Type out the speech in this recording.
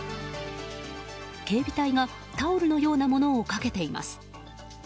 警備隊がタオルのようなものをかけています。